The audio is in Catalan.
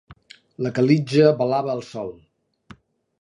La calitja velava el sol.